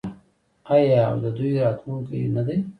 آیا او د دوی راتلونکی نه دی؟